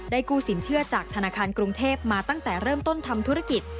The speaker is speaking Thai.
กู้สินเชื่อจากธนาคารกรุงเทพมาตั้งแต่เริ่มต้นทำธุรกิจ